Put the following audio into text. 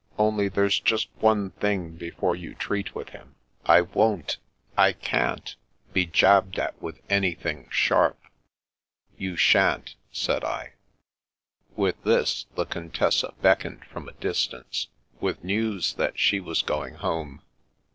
Only — ^diere's just one thing before you treat with him. I won't — I can*l — be jabbed at with anything sharp." " You shan't," said I. With this, the Contessa beckoned from a dis tance, with news that she was going home.